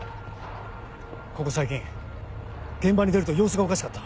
ここ最近現場に出ると様子がおかしかった。